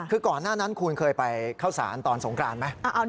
คือก่อนหน้านั้นคุณเคยไปเข้าสารตอนสงกรานไหม